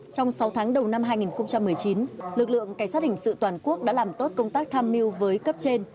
trong sáu tháng đầu năm hai nghìn một mươi chín lực lượng cảnh sát hình sự toàn quốc đã làm tốt công tác tham mưu với cấp trên